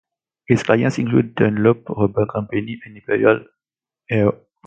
Its clients included Dunlop Rubber Company and Imperial Airways.